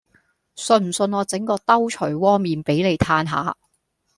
信唔信我整個兜捶窩面俾你嘆下